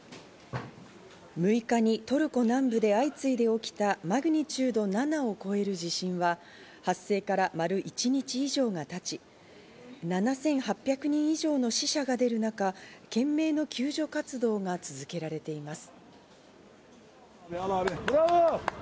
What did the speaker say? ６日にトルコ南部で相次いで起きたマグニチュード７を超える地震は、発生から丸一日以上が経ち、７８００人以上の死者が出る中、懸命の救助活動が続けられています。